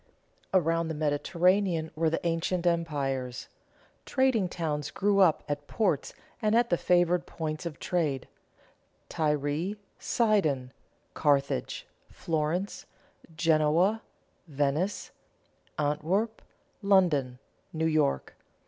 Around the Mediterranean were the ancient empires. Trading towns grew up at ports and at the favored points of trade: Tyre, Sidon, Carthage, Florence, Genoa, Venice, Antwerp, London, New York.